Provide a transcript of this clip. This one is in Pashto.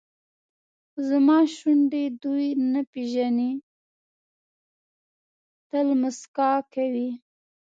خو زما شونډې دوی نه پېژني تل موسکا کوي.